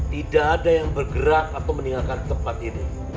tidak ada yang bergerak atau meninggalkan tempat ini